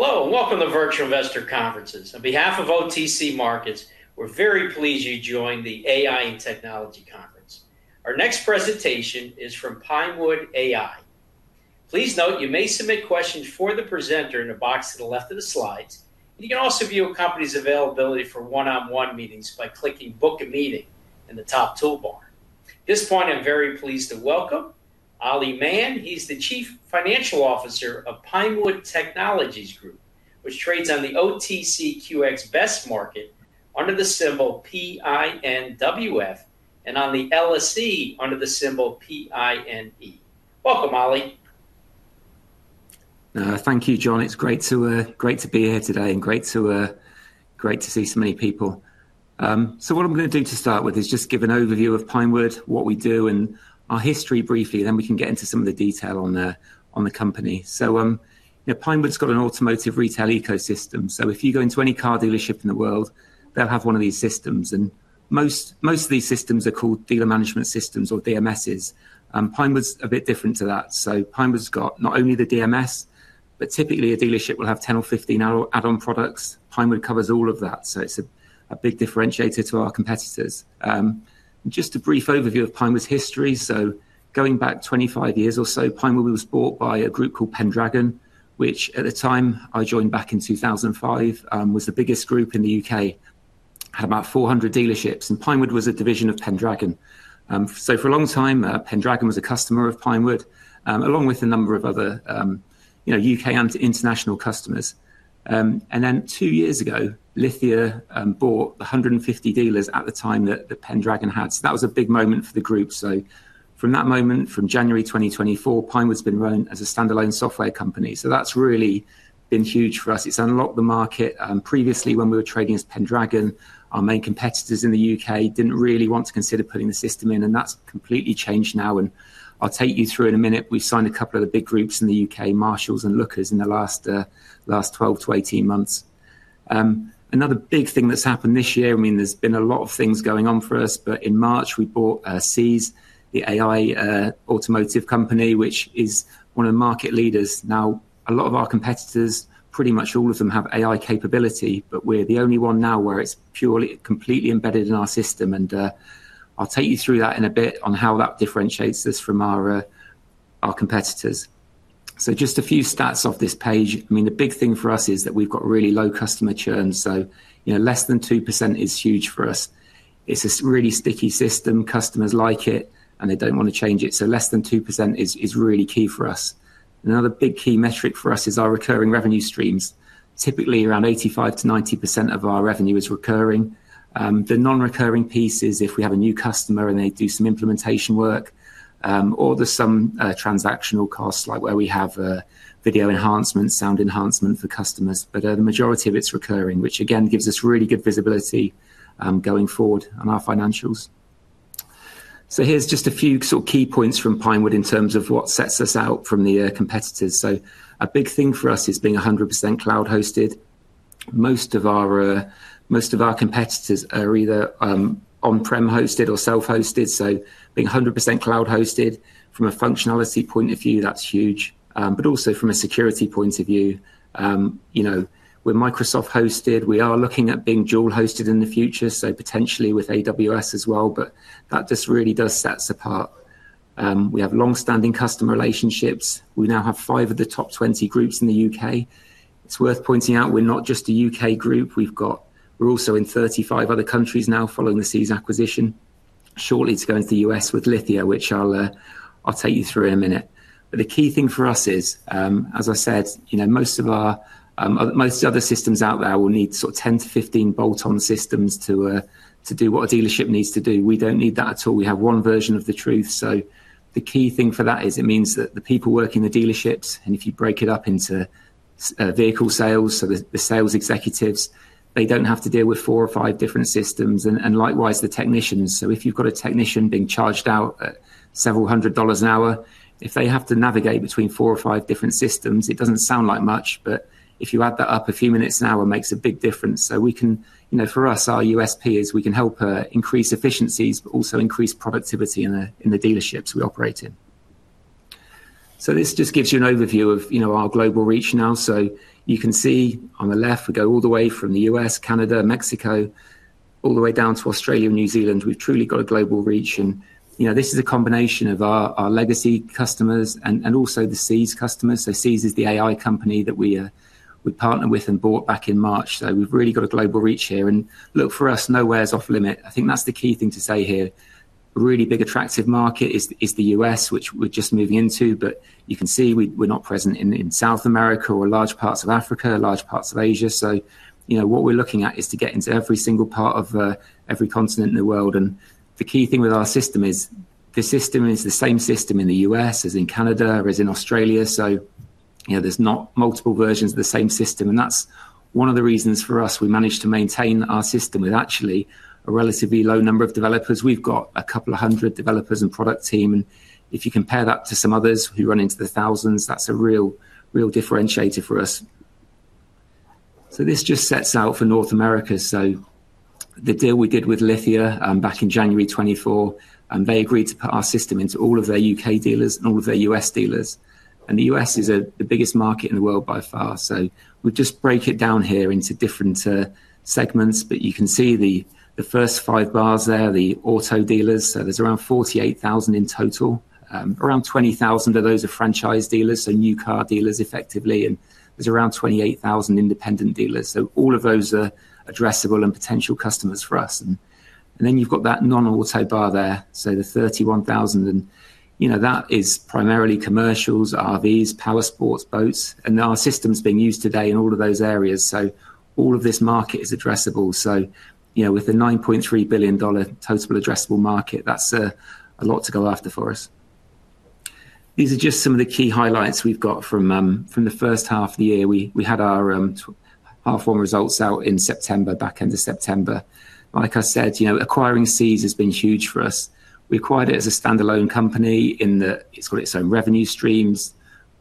Hello, and welcome to Virtual Investor Conferences. On behalf of OTC Markets, we're very pleased you joined the AI and Technology Conference. Our next presentation is from Pinewood AI. Please note, you may submit questions for the presenter in the box to the left of the slides. You can also view a company's availability for one-on-one meetings by clicking "Book a Meeting" in the top toolbar. At this point, I'm very pleased to welcome Ollie Mann. He's the Chief Financial Officer of Pinewood Technologies Group, which trades on the OTCQX Best Market under the symbol PINWF and on the LSE under the symbol PINE. Welcome, Ollie. Thank you, John. It's great to be here today and great to see so many people. What I'm going to do to start with is just give an overview of Pinewood, what we do, and our history briefly, and then we can get into some of the detail on the company. Pinewood's got an automotive retail ecosystem. If you go into any car dealership in the world, they'll have one of these systems. Most of these systems are called dealer management systems or DMS. Pinewood's a bit different to that. Pinewood's got not only the DMS, but typically a dealership will have 10 or 15 add-on products. Pinewood covers all of that. It's a big differentiator to our competitors. Just a brief overview of Pinewood's history. Going back 25 years or so, Pinewood was bought by a group called Pendragon, which at the time I joined back in 2005 was the biggest group in the U.K. It had about 400 dealerships, and Pinewood was a division of Pendragon. For a long time, Pendragon was a customer of Pinewood, along with a number of other U.K. and international customers. Two years ago, Lithia bought 150 dealers at the time that Pendragon had. That was a big moment for the group. From that moment, from January 2024, Pinewood's been run as a standalone software company. That's really been huge for us. It's unlocked the market. Previously, when we were trading as Pendragon, our main competitors in the U.K. didn't really want to consider putting the system in, and that's completely changed now. I'll take you through in a minute. We've signed a couple of the big groups in the U.K. Marshall and Lookers, in the last 12 to 18 months. Another big thing that's happened this year, there's been a lot of things going on for us, but in March, we bought Seez, the AI automotive company, which is one of the market leaders. Now, a lot of our competitors, pretty much all of them have AI capability, but we're the only one now where it's completely embedded in our system. I'll take you through that in a bit on how that differentiates us from our competitors. Just a few stats off this page. The big thing for us is that we've got really low customer churn. Less than 2% is huge for us. It's a really sticky system. Customers like it, and they don't want to change it. Less than 2% is really key for us. Another big key metric for us is our recurring revenue streams. Typically, around 85%-90% of our revenue is recurring. The non-recurring piece is if we have a new customer and they do some implementation work or there's some transactional costs, like where we have video enhancement, sound enhancement for customers. The majority of it's recurring, which again gives us really good visibility going forward on our financials. Here's just a few key points from Pinewood in terms of what sets us out from the competitors. A big thing for us is being 100% cloud hosted. Most of our competitors are either on-prem hosted or self-hosted. Being 100% cloud hosted from a functionality point of view, that's huge, but also from a security point of view. We're Microsoft hosted. We are looking at being dual hosted in the future, so potentially with AWS as well. That just really does set us apart. We have long-standing customer relationships. We now have five of the top 20 groups in the U.K. It's worth pointing out we're not just a U.K. group. We're also in 35 other countries now following the Seez acquisition. Shortly, it's going to the U.S. with Lithia, which I'll take you through in a minute. The key thing for us is, as I said, most of our other systems out there will need 10 to 15 bolt-on systems to do what a dealership needs to do. We don't need that at all. We have one version of the truth. The key thing for that is it means that the people working in the dealerships, and if you break it up into vehicle sales, the sales executives, they don't have to deal with four or five different systems, and likewise the technicians. If you've got a technician being charged out at several hundred dollars an hour, if they have to navigate between four or five different systems, it doesn't sound like much, but if you add that up, a few minutes an hour makes a big difference. For us, our USP is we can help increase efficiencies, but also increase productivity in the dealerships we operate in. This just gives you an overview of our global reach now. You can see on the left, we go all the way from the U.S., Canada, Mexico, all the way down to Australia and New Zealand. We've truly got a global reach. This is a combination of our legacy customers and also the Seez customers. Seez is the AI company that we partnered with and bought back in March. We've really got a global reach here. Look for us, nowhere is off-limit. I think that's the key thing to say here. A really big attractive market is the U.S., which we're just moving into, but you can see we're not present in South America or large parts of Africa, large parts of Asia. What we're looking at is to get into every single part of every continent in the world. The key thing with our system is the system is the same system in the U.S. as in Canada, as in Australia. There's not multiple versions of the same system. That's one of the reasons for us we managed to maintain our system with actually a relatively low number of developers. We've got a couple of hundred developers and product team. If you compare that to some others who run into the thousands, that's a real differentiator for us. This just sets out for North America. The deal we did with Lithia back in January 2024, they agreed to put our system into all of their U.K. dealers and all of their U.S. dealers. The U.S. is the biggest market in the world by far. We just break it down here into different segments, but you can see the first five bars there, the auto dealers. There's around 48,000 in total. Around 20,000 of those are franchise dealers, so new car dealers effectively, and there's around 28,000 independent dealers. All of those are addressable and potential customers for us. Then you've got that non-auto bar there, the 31,000. That is primarily commercials, RVs, power sports, boats, and our system's being used today in all of those areas. All of this market is addressable. With a $9.3 billion total addressable market, that's a lot to go after for us. These are just some of the key highlights we've got from the first half of the year. We had our half-form results out in September, back end of September. Like I said, acquiring Seez has been huge for us. We acquired it as a standalone company in its own revenue streams.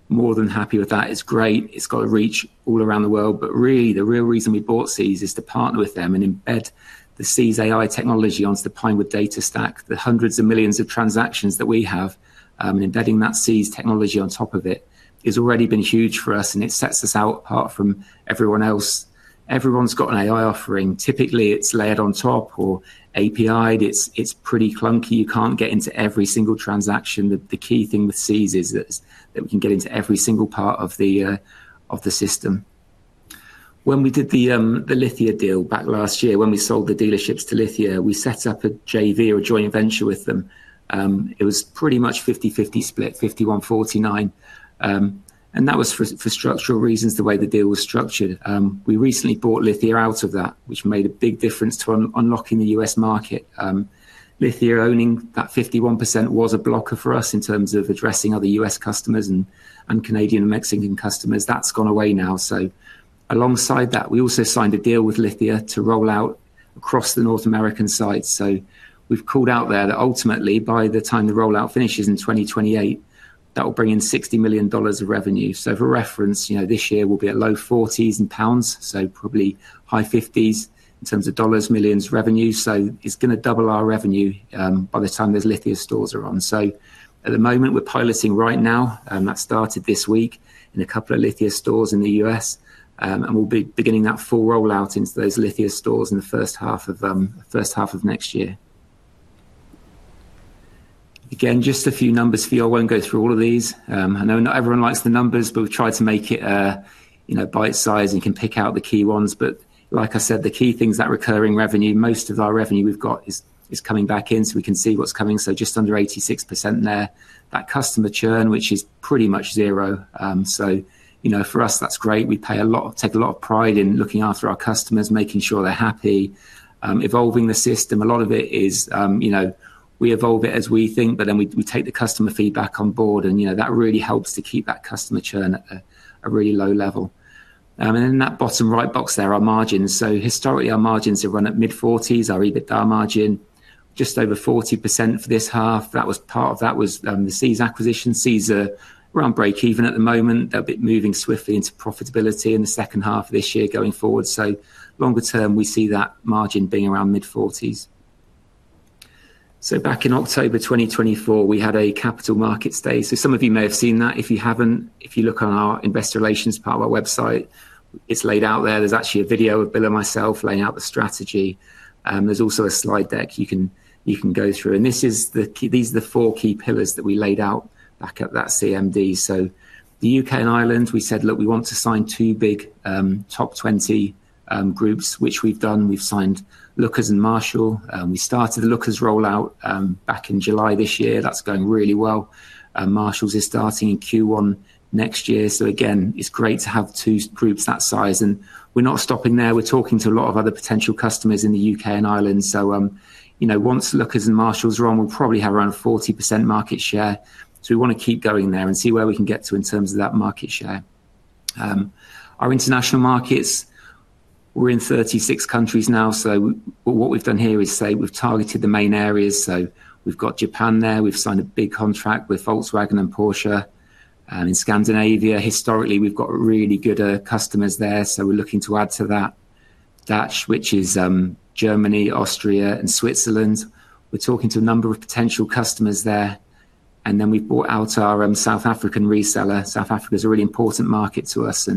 More than happy with that. It's great. It's got a reach all around the world. Really, the real reason we bought Seez is to partner with them and embed the Seez AI technology onto the Pinewood Data Stack. The hundreds of millions of transactions that we have and embedding that Seez technology on top of it has already been huge for us, and it sets us out apart from everyone else. Everyone's got an AI offering. Typically, it's layered on top or API. It's pretty clunky. You can't get into every single transaction. The key thing with Seez is that we can get into every single part of the system. When we did the Lithia deal back last year, when we sold the dealerships to Lithia, we set up a JV or joint venture with them. It was pretty much 50/50 split, 51/49. That was for structural reasons, the way the deal was structured. We recently bought Lithia out of that, which made a big difference to unlocking the U.S. market. Lithia owning that 51% was a blocker for us in terms of addressing other U.S. customers and Canadian and Mexican customers. That's gone away now. Alongside that, we also signed a deal with Lithia to roll out across the North American side. We've called out there that ultimately, by the time the rollout finishes in 2028, that will bring in $60 million of revenue. For reference, this year will be at low 40s in pounds, probably high 50s in terms of dollars, millions revenue. It's going to double our revenue by the time those Lithia stores are on. At the moment, we're piloting right now. That started this week in a couple of Lithia stores in the U.S., and we'll be beginning that full rollout into those Lithia stores in the first half of next year. Again, just a few numbers for you. I won't go through all of these. I know not everyone likes the numbers, but we've tried to make it by its size and can pick out the key ones. Like I said, the key thing is that recurring revenue. Most of our revenue we've got is coming back in, so we can see what's coming. Just under 86% there. That customer churn, which is pretty much zero. For us, that's great. We take a lot of pride in looking after our customers, making sure they're happy, evolving the system. A lot of it is we evolve it as we think, but then we take the customer feedback on board, and that really helps to keep that customer churn at a really low level. In that bottom right box there, our margins. Historically, our margins have run at mid-40s. Our EBITDA margin, just over 40% for this half. That was part of the Seez acquisition. Seez are around break even at the moment. They're a bit moving swiftly into profitability in the second half of this year going forward. Longer term, we see that margin being around mid-40s. Back in October 2024, we had a capital markets day. Some of you may have seen that. If you haven't, if you look on our investor relations part of our website, it's laid out there. There's actually a video of Bill and myself laying out the strategy. There's also a slide deck you can go through. These are the four key pillars that we laid out back at that CMD. The U.K. and Ireland, we said, "Look, we want to sign two big top 20 groups," which we've done. We've signed Lookers and Marshall. We started the Lookers rollout back in July this year. That's going really well. Marshall is starting in Q1 next year. Again, it's great to have two groups that size. We're not stopping there. We're talking to a lot of other potential customers in the U.K. and Ireland. Once Lookers and Marshall are on, we'll probably have around 40% market share. We want to keep going there and see where we can get to in terms of that market share. Our international markets, we're in 36 countries now. What we've done here is say we've targeted the main areas. We've got Japan there. We've signed a big contract with Volkswagen and Porsche. In Scandinavia, historically, we've got really good customers there. We're looking to add to that, Dutch, which is Germany, Austria, and Switzerland. We're talking to a number of potential customers there. We've bought out our South African reseller. South Africa is a really important market to us.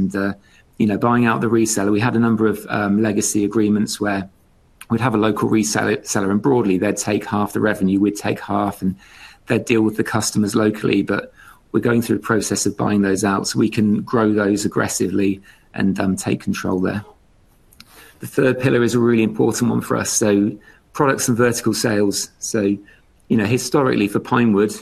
Buying out the reseller, we had a number of legacy agreements where we'd have a local reseller, and broadly, they'd take half the revenue. We'd take half, and they'd deal with the customers locally. We're going through a process of buying those out so we can grow those aggressively and take control there. The third pillar is a really important one for us, products and vertical sales. Historically, for Pinewood,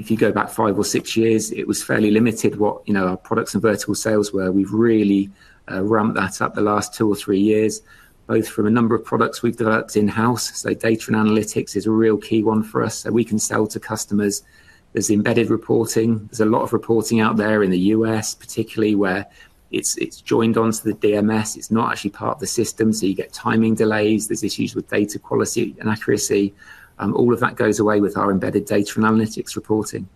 if you go back five or six years, it was fairly limited what our products and vertical sales were. We've really ramped that up the last two or three years, both from a number of products we've developed in-house. Data and analytics is a real key one for us. We can sell to customers. There's embedded reporting. There's a lot of reporting out there in the U.S., particularly where it's joined onto the DMS. It's not actually part of the system. You get timing delays. There's issues with data quality and accuracy. All of that goes away with our embedded data and analytics reporting.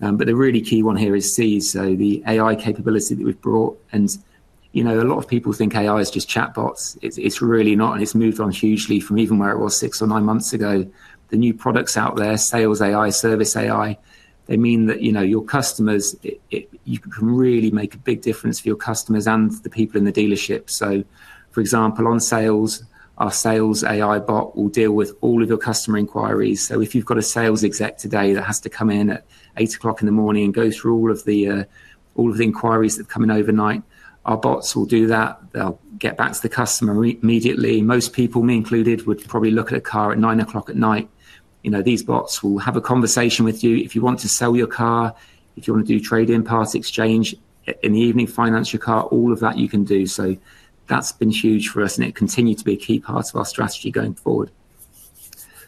The really key one here is Seez, the AI capability that we've brought. A lot of people think AI is just chatbots. It's really not, and it's moved on hugely from even where it was six or nine months ago. The new products out there, Sales AI, Service AI, they mean that your customers, you can really make a big difference for your customers and the people in the dealership. For example, on sales, our Sales AI bot will deal with all of your customer inquiries. If you've got a sales exec today that has to come in at 8:00 A.M. and go through all of the inquiries that come in overnight, our bots will do that. They'll get back to the customer immediately. Most people, me included, would probably look at a car at 9:00 P.M. These bots will have a conversation with you. If you want to sell your car, if you want to do trade in parts, exchange in the evening, finance your car, all of that you can do. That's been huge for us, and it continued to be a key part of our strategy going forward.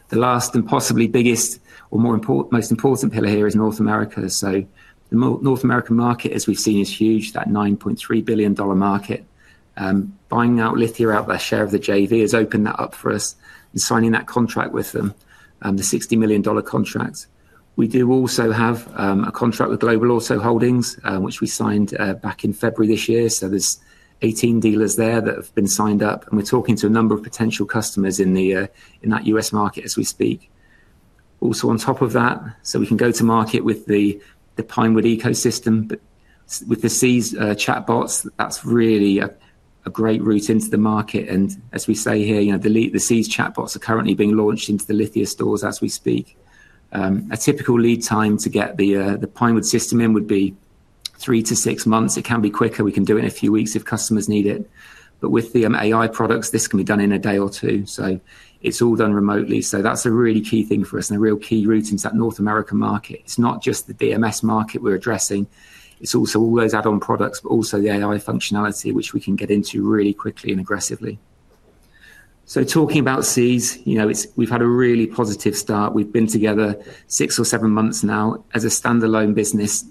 The last and possibly biggest or most important pillar here is North America. The North American market, as we've seen, is huge, that $9.3 billion market. Buying out Lithia out of their share of the JV has opened that up for us and signing that contract with them, the $60 million contract. We do also have a contract with Global Auto Holdings, which we signed back in February this year. There's 18 dealers there that have been signed up, and we're talking to a number of potential customers in that U.S. market as we speak. Also, on top of that, we can go to market with the Pinewood ecosystem. With the Seez chatbots, that's really a great route into the market. As we say here, the Seez chatbots are currently being launched into the Lithia stores as we speak. A typical lead time to get the Pinewood system in would be three to six months. It can be quicker. We can do it in a few weeks if customers need it. With the AI products, this can be done in a day or two. It's all done remotely. That's a really key thing for us and a real key route into that North American market. It's not just the DMS market we're addressing. It's also all those add-on products, but also the AI functionality, which we can get into really quickly and aggressively. Talking about Seez, we've had a really positive start. We've been together six or seven months now. As a standalone business,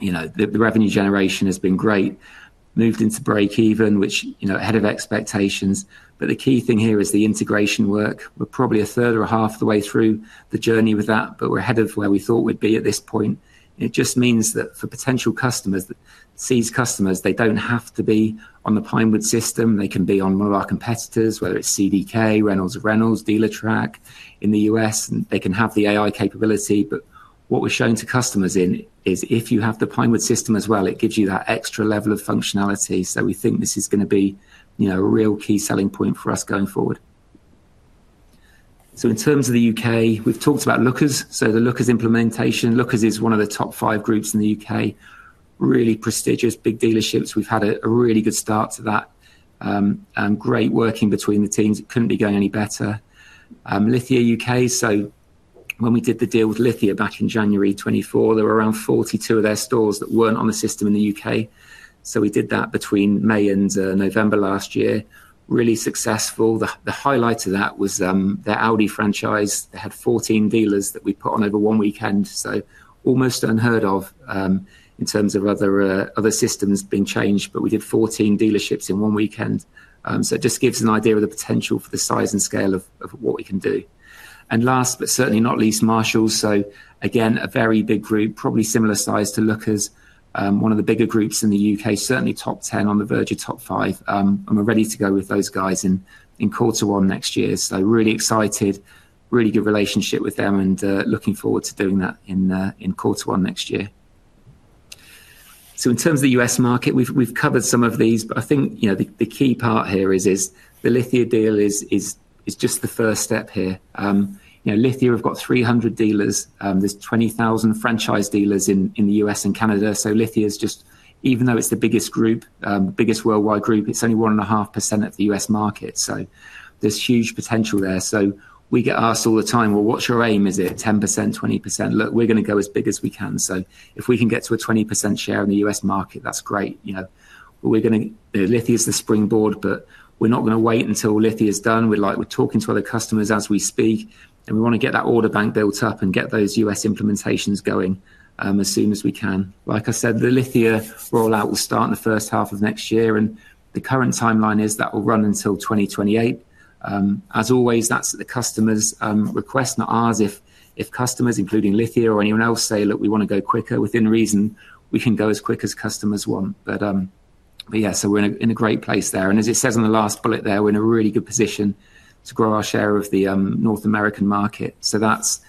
the revenue generation has been great. Moved into break even, which is ahead of expectations. The key thing here is the integration work. We're probably a third or a half of the way through the journey with that, but we're ahead of where we thought we'd be at this point. It just means that for potential customers, Seez customers, they don't have to be on the Pinewood system. They can be on one of our competitors, whether it's CDK, Reynolds and Reynolds, Dealertrack in the U.S., and they can have the AI capability. What we're showing to customers is if you have the Pinewood system as well, it gives you that extra level of functionality. We think this is going to be a real key selling point for us going forward. In terms of the U.K., we've talked about Lookers, the Lookers implementation. Lookers is one of the top five groups in the U.K., really prestigious, big dealerships. We've had a really good start to that. Great working between the teams. It couldn't be going any better. Lithia U.K., when we did the deal with Lithia back in January 2024, there were around 42 of their stores that weren't on the system in the U.K. We did that between May and November last year, really successful. The highlight of that was their Audi franchise. They had 14 dealers that we put on over one weekend. Almost unheard of in terms of other systems being changed, but we did 14 dealerships in one weekend. It just gives an idea of the potential for the size and scale of what we can do. Last but certainly not least, Marshall. Again, a very big group, probably similar size to Lookers, one of the bigger groups in the U.K., certainly top 10 on the verge of top five. We're ready to go with those guys in quarter one next year. Really excited, really good relationship with them, and looking forward to doing that in quarter one next year. In terms of the U.S. market, we've covered some of these, but I think the key part here is the Lithia deal is just the first step here. Lithia, we've got 300 dealers. There's 20,000 franchise dealers in the U.S. and Canada. Lithia is just, even though it's the biggest group, biggest worldwide group, it's only 1.5% of the U.S. market. There's huge potential there. We get asked all the time, "What's your aim? Is it 10%, 20%?" Look, we're going to go as big as we can. If we can get to a 20% share in the U.S. market, that's great. Lithia is the springboard, but we're not going to wait until Lithia is done. We're talking to other customers as we speak, and we want to get that order bank built up and get those U.S. implementations going as soon as we can. Like I said, the Lithia rollout will start in the first half of next year, and the current timeline is that will run until 2028. As always, that's at the customer's request, not ours. If customers, including Lithia or anyone else, say, "Look, we want to go quicker," within reason, we can go as quick as customers want. We're in a great place there. As it says on the last bullet there, we're in a really good position to grow our share of the North American market. That's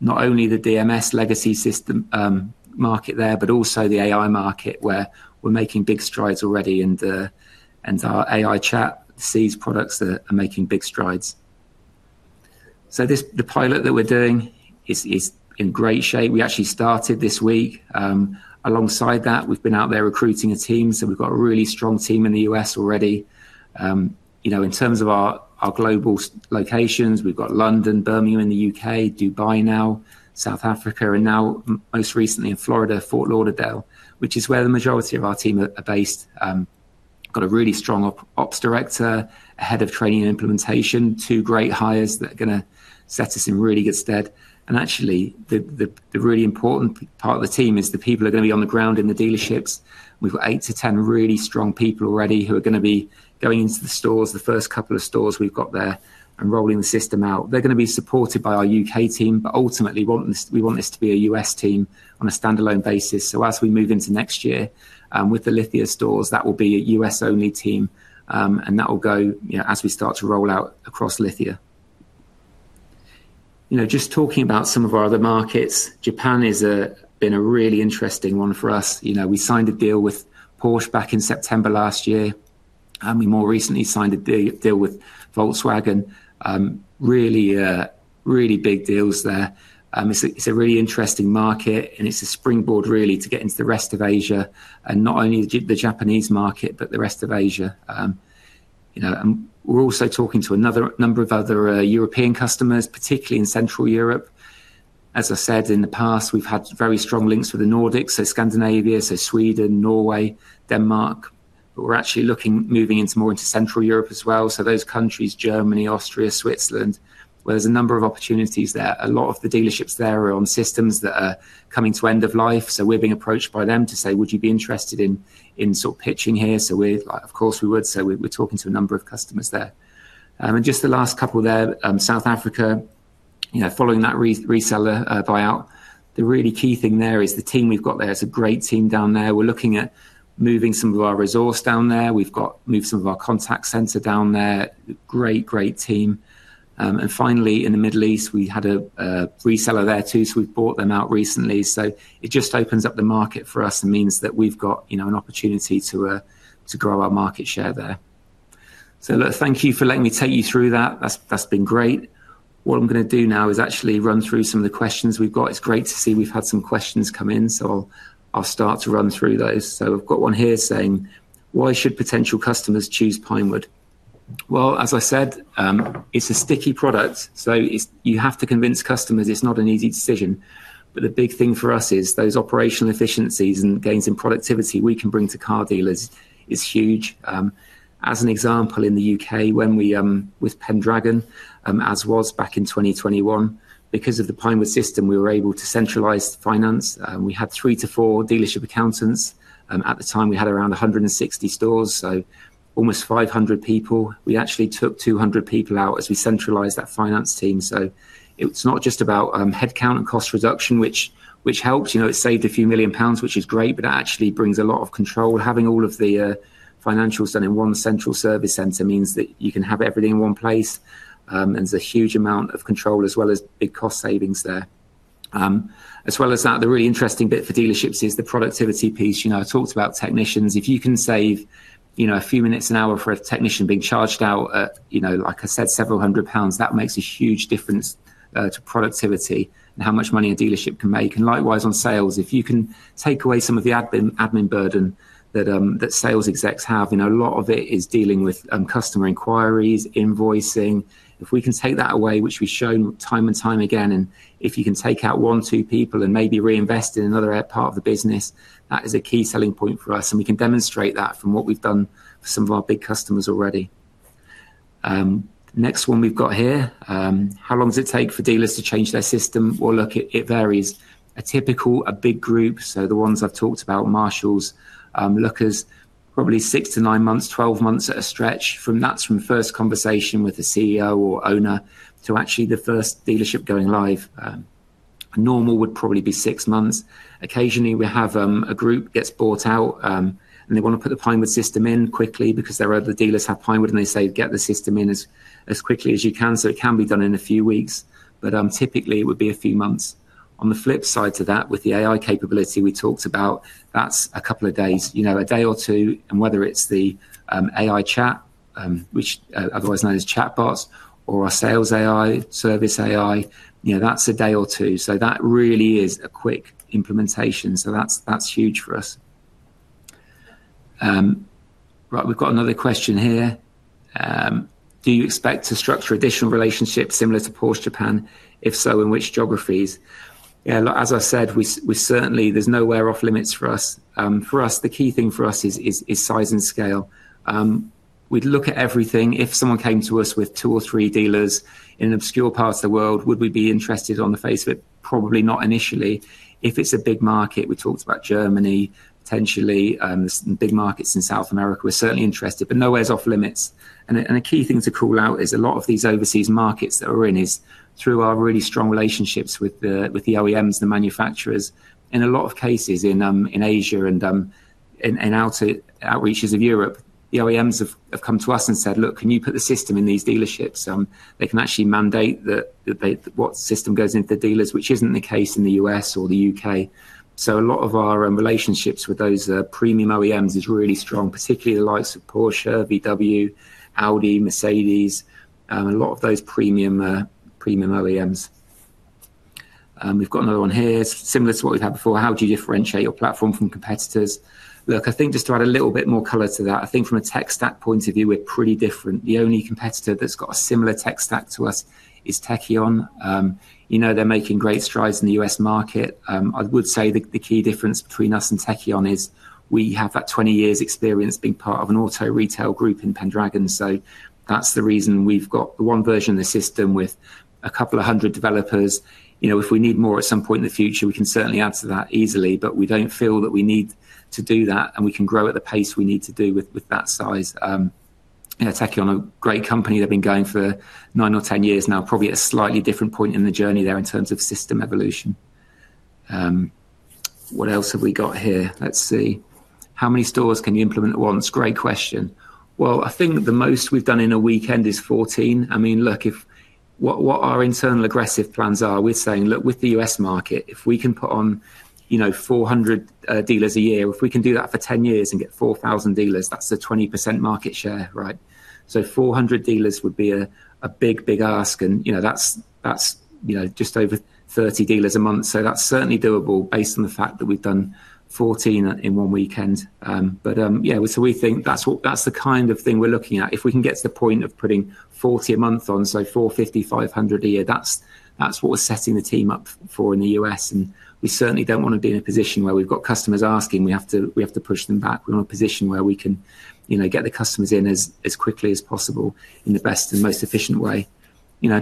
not only the DMS legacy system market there, but also the AI market where we're making big strides already, and our AI chat Sees products are making big strides. The pilot that we're doing is in great shape. We actually started this week. Alongside that, we've been out there recruiting a team. We've got a really strong team in the U.S. already. In terms of our global locations, we've got London, Birmingham in the U.K., Dubai now, South Africa, and now most recently in Florida, Fort Lauderdale, which is where the majority of our team are based. Got a really strong Ops Director, a Head of Training and Implementation, two great hires that are going to set us in really good stead. Actually, the really important part of the team is the people that are going to be on the ground in the dealerships. We've got eight to ten really strong people already who are going to be going into the stores, the first couple of stores we've got there, and rolling the system out. They're going to be supported by our U.K. team, but ultimately, we want this to be a U.S. team on a standalone basis. As we move into next year with the Lithia stores, that will be a U.S.-only team, and that will go as we start to roll out across Lithia. Just talking about some of our other markets, Japan has been a really interesting one for us. We signed a deal with Porsche back in September last year. We more recently signed a deal with Volkswagen. Really, really big deals there. It's a really interesting market, and it's a springboard really to get into the rest of Asia, and not only the Japanese market, but the rest of Asia. We're also talking to a number of other European customers, particularly in Central Europe. As I said in the past, we've had very strong links with the Nordics, so Scandinavia, Sweden, Norway, Denmark. We're actually looking at moving more into Central Europe as well. Those countries, Germany, Austria, Switzerland, where there's a number of opportunities there. A lot of the dealerships there are on systems that are coming to end of life. We're being approached by them to say, "Would you be interested in pitching here?" Of course, we would. We're talking to a number of customers there. Just the last couple there, South Africa, following that reseller buyout. The really key thing there is the team we've got there. It's a great team down there. We're looking at moving some of our resource down there. We've moved some of our contact center down there. Great, great team. Finally, in the Middle East, we had a reseller there too. We've bought them out recently. It just opens up the market for us and means that we've got an opportunity to grow our market share there. Thank you for letting me take you through that. That's been great. What I'm going to do now is actually run through some of the questions we've got. It's great to see we've had some questions come in. I'll start to run through those. I've got one here saying, "Why should potential customers choose Pinewood?" As I said, it's a sticky product. You have to convince customers. It's not an easy decision. The big thing for us is those operational efficiencies and gains in productivity we can bring to car dealers is huge. As an example, in the U.K., when we were with Pendragon, as was back in 2021, because of the Pinewood system, we were able to centralize finance. We had three to four dealership accountants. At the time, we had around 160 stores, almost 500 people. We actually took 200 people out as we centralized that finance team. It's not just about headcount and cost reduction, which helps. It saved a few million pounds, which is great, but it actually brings a lot of control. Having all of the financials done in one central service center means that you can have everything in one place. There's a huge amount of control as well as big cost savings there. As well as that, the really interesting bit for dealerships is the productivity piece. I talked about technicians. If you can save a few minutes an hour for a technician being charged out at, like I said, several hundred pounds, that makes a huge difference to productivity and how much money a dealership can make. Likewise, on sales, if you can take away some of the admin burden that sales execs have, a lot of it is dealing with customer inquiries, invoicing. If we can take that away, which we've shown time and time again, and if you can take out one, two people and maybe reinvest in another part of the business, that is a key selling point for us. We can demonstrate that from what we've done for some of our big customers already. Next one we've got here. How long does it take for dealers to change their system? It varies. A typical, a big group, the ones I've talked about, Marshall, Lookers, probably six to nine months, 12 months at a stretch. That's from first conversation with the CEO or owner to actually the first dealership going live. Normal would probably be six months. Occasionally, we have a group that gets bought out and they want to put the Pinewood system in quickly because their other dealers have Pinewood and they say, "Get the system in as quickly as you can." It can be done in a few weeks, but typically it would be a few months. On the flip side to that, with the AI capability we talked about, that's a couple of days, a day or two. Whether it's the AI chat, which is otherwise known as AI chatbots, or our Sales AI, Service AI, that's a day or two. That really is a quick implementation. That's huge for us. We've got another question here. Do you expect to structure additional relationships similar to Porsche Japan? If so, in which geographies? As I said, certainly there's nowhere off-limits for us. The key thing for us is size and scale. We'd look at everything. If someone came to us with two or three dealers in an obscure part of the world, would we be interested on the face of it? Probably not initially. If it's a big market, we talked about Germany, potentially big markets in South America, we're certainly interested, but nowhere is off-limits. A key thing to call out is a lot of these overseas markets that we're in is through our really strong relationships with the OEMs, the manufacturers. In a lot of cases in Asia and outreaches of Europe, the OEMs have come to us and said, "Look, can you put the system in these dealerships?" They can actually mandate what system goes into the dealers, which isn't the case in the U.S. or the U.K. A lot of our relationships with those premium OEMs are really strong, particularly the likes of Porsche, VW, Audi, Mercedes, a lot of those premium OEMs. We've got another one here, similar to what we've had before. How do you differentiate your platform from competitors? I think just to add a little bit more color to that, I think from a tech stack point of view, we're pretty different. The only competitor that's got a similar tech stack to us is Tekion. They're making great strides in the U.S. market. I would say the key difference between us and Tekion is we have that 20 years experience being part of an auto retail group in Pendragon. That's the reason we've got one version of the system with a couple of hundred developers. If we need more at some point in the future, we can certainly add to that easily, but we don't feel that we need to do that, and we can grow at the pace we need to do with that size. Techion, a great company. They've been going for nine or 10 years now, probably at a slightly different point in the journey there in terms of system evolution. What else have we got here? Let's see. How many stores can you implement at once? Great question. I think the most we've done in a weekend is 14. What our internal aggressive plans are, we're saying, "Look, with the U.S. market, if we can put on 400 dealers a year, if we can do that for 10 years and get 4,000 dealers, that's a 20% market share." 400 dealers would be a big, big ask, and that's just over 30 dealers a month. That's certainly doable based on the fact that we've done 14 in one weekend. We think that's the kind of thing we're looking at. If we can get to the point of putting 40 a month on, so 450, 500 a year, that's what we're setting the team up for in the U.S. We certainly don't want to be in a position where we've got customers asking, we have to push them back. We want a position where we can get the customers in as quickly as possible in the best and most efficient way.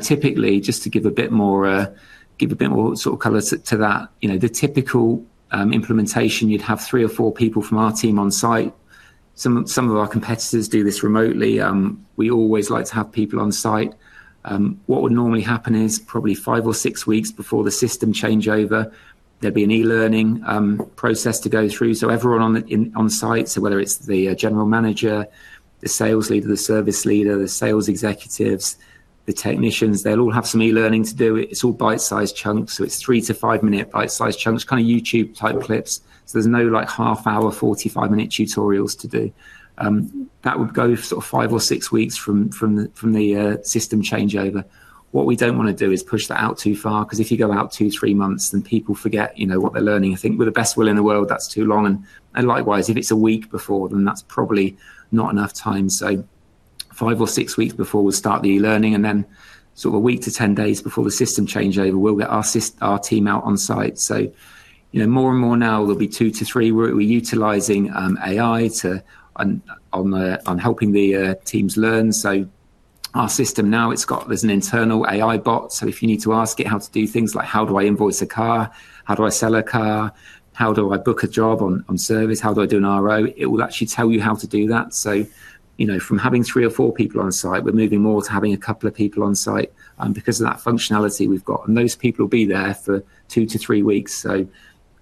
Typically, just to give a bit more color to that, the typical implementation, you'd have three or four people from our team on site. Some of our competitors do this remotely. We always like to have people on site. What would normally happen is probably five or six weeks before the system changeover, there'd be an e-learning process to go through. Everyone on site, whether it's the General Manager, the Sales Leader, the Service Leader, the Sales Executives, the Technicians, they'll all have some e-learning to do. It's all bite-sized chunks. It's three to five-minute bite-sized chunks, kind of YouTube-type clips. There's no half hour, 45-minute tutorials to do. That would go five or six weeks from the system changeover. What we don't want to do is push that out too far, because if you go out two, three months, then people forget what they're learning. I think with the best will in the world, that's too long. Likewise, if it's a week before, then that's probably not enough time. Five or six weeks before we'll start the e-learning, and then a week to 10 days before the system changeover, we'll get our team out on site. More and more now, there'll be two to three. We're utilizing AI to help the teams learn. Our system now, there's an internal AI bot. If you need to ask it how to do things like, "How do I invoice a car? How do I sell a car? How do I book a job on service? How do I do an RO?" it will actually tell you how to do that. From having three or four people on site, we're moving more to having a couple of people on site because of that functionality we've got. Those people will be there for two to three weeks, a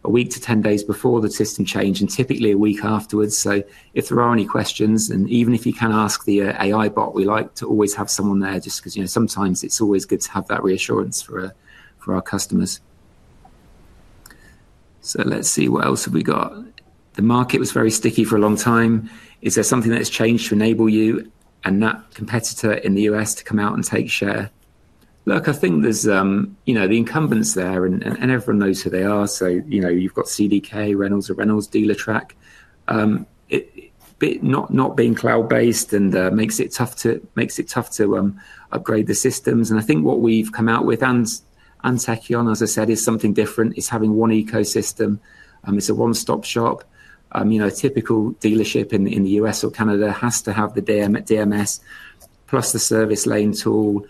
week to 10 days before the system change, and typically a week afterwards. If there are any questions, and even if you can ask the AI bot, we like to always have someone there, just because sometimes it's always good to have that reassurance for our customers. Let's see, what else have we got? The market was very sticky for a long time. Is there something that's changed to enable you and that competitor in the U.S. to come out and take share? Look, I think there's the incumbents there, and everyone knows who they are. You've got CDK, Reynolds and Reynolds, Dealertrack. Not being cloud-based makes it tough to upgrade the systems. I think what we've come out with and Tekion, as I said, is something different. It's having one ecosystem. It's a one-stop shop. A typical dealership in the U.S. or Canada has to have the DMS plus the service lane tool,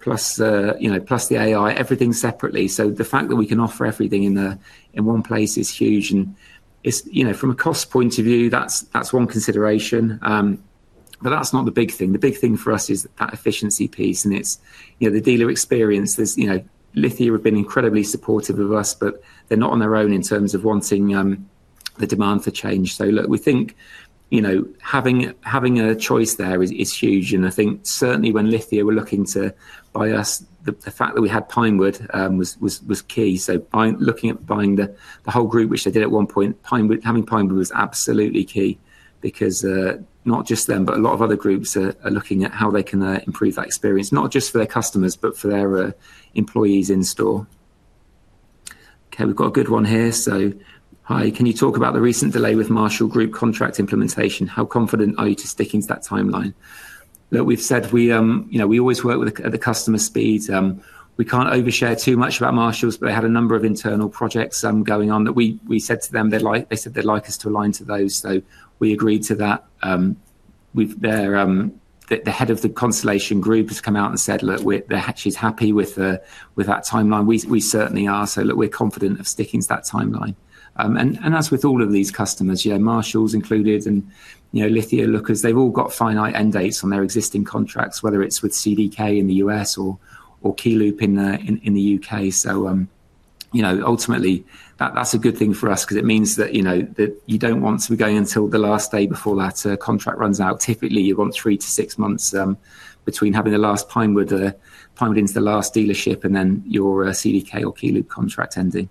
plus the AI, everything separately. The fact that we can offer everything in one place is huge. From a cost point of view, that's one consideration, but that's not the big thing. The big thing for us is that efficiency piece and the dealer experience. Lithia have been incredibly supportive of us, but they're not on their own in terms of wanting the demand for change. We think having a choice there is huge. I think certainly when Lithia were looking to buy us, the fact that we had Pinewood was key. Looking at buying the whole group, which they did at one point, having Pinewood was absolutely key because not just them, but a lot of other groups are looking at how they can improve that experience, not just for their customers, but for their employees in store. We've got a good one here. Hi, can you talk about the recent delay with Marshall Group contract implementation? How confident are you to sticking to that timeline? We've said we always work at the customer speed. We can't overshare too much about Marshall, but they had a number of internal projects going on that we said to them. They said they'd like us to align to those. We agreed to that. The head of the Constellation Group has come out and said she's happy with that timeline. We certainly are. We're confident of sticking to that timeline. As with all of these customers, Marshall included and Lithia, Lookers, they've all got finite end dates on their existing contracts, whether it's with CDK in the U.S. or Keyloop in the U.K. Ultimately, that's a good thing for us because it means that you don't want to be going until the last day before that contract runs out. Typically, you want three to six months between having the last Pinewood into the last dealership and then your CDK or Keyloop contract ending.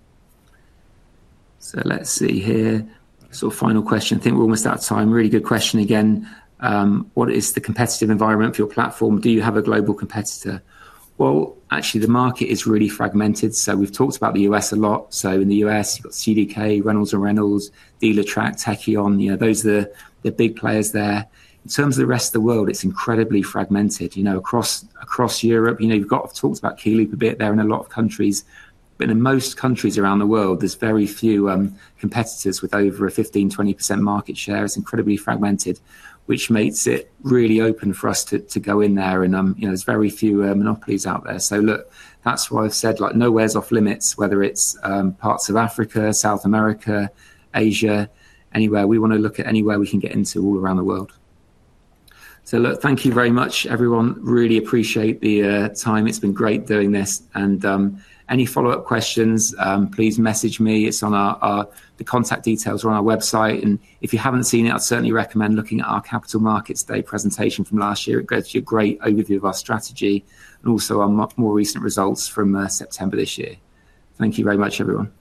Let's see here. Final question. I think we're almost out of time. Really good question again. What is the competitive environment for your platform? Do you have a global competitor? Actually, the market is really fragmented. We've talked about the U.S. a lot. In the U.S., you've got CDK, Reynolds and Reynolds, Dealertrack, Tekion. Those are the big players there. In terms of the rest of the world, it's incredibly fragmented. Across Europe, you've talked about Keyloop a bit there in a lot of countries, but in most countries around the world, there's very few competitors with over a 15%-20% market share. It's incredibly fragmented, which makes it really open for us to go in there. There's very few monopolies out there. That's why I've said nowhere is off-limits, whether it's parts of Africa, South America, Asia, anywhere. We want to look at anywhere we can get into all around the world. Thank you very much, everyone. Really appreciate the time. It's been great doing this. Any follow-up questions, please message me. It's on our contact details or on our website. If you haven't seen it, I'd certainly recommend looking at our Capital Markets Day presentation from last year. It gives you a great overview of our strategy and also our more recent results from September this year. Thank you very much, everyone.